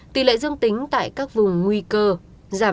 tỷ lệ dương tính tại các vùng nguy cơ giảm dần qua từng đợt lấy mẫu xét nghiệm